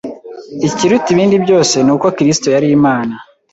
Ikiruta ibindi byose ni uko Kristo yari Imana